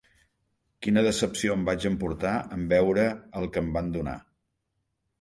Quina decepció em vaig emportar en veure el que em van donar